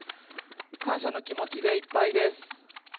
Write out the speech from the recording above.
感謝の気持ちでいっぱいです。